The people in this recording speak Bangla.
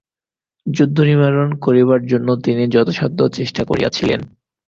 যুদ্ধ নিবারণ করিবার জন্য তিনি যথাসাধ্য চেষ্টা করিয়াছিলেন।